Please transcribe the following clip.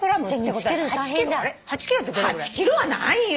８ｋｇはないよ！